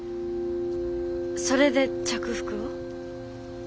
それで着服を？